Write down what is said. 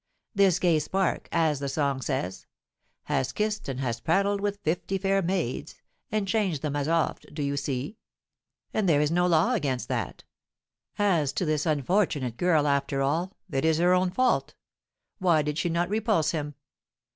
This gay spark, as the song says: "'"Has kissed and has prattled with fifty fair maids, And changed them as oft, do you see;" and there is no law against that. As to this unfortunate girl, after all, it is her own fault! Why did she not repulse him?